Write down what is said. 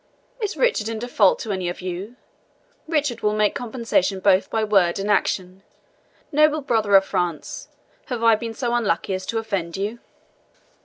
Is Richard in default to any of you, Richard will make compensation both by word and action. Noble brother of France, have I been so unlucky as to offend you?"